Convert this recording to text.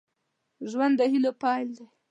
ژوند د هيلو پيل دی